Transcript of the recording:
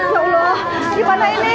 ya allah gimana ini